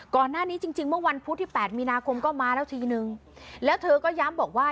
จริงจริงเมื่อวันพุธที่แปดมีนาคมก็มาแล้วทีนึงแล้วเธอก็ย้ำบอกว่า